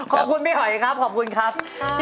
ขอบคุณพี่หอยครับขอบคุณครับ